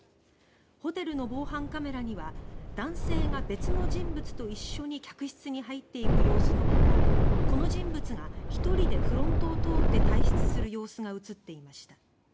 ホテルの防犯カメラには男性が別の人物と一緒に客室に入っていく様子のほかこの人物が１人でフロントを通って退出する様子が映っていました。